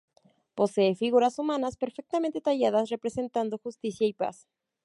Posee figuras humanas perfectamente talladas, representando justicia y paz.